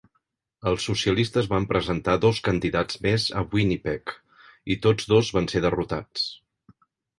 Els socialistes van presentar dos candidats més a Winnipeg i tots dos van ser derrotats.